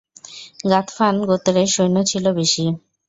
গাতফান গোত্রের সৈন্য ছিল বেশি।